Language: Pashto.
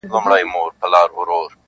تر مطلبه چي یاري وي د ښکاریانو -